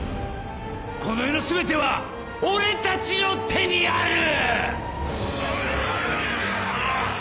この世の全ては俺たちの手にある！